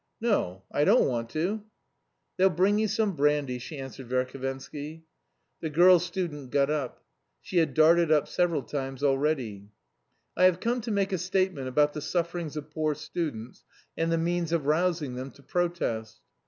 No, I don't want to." "They'll bring you some brandy," she answered Verhovensky. The girl student got up. She had darted up several times already. "I have come to make a statement about the sufferings of poor students and the means of rousing them to protest."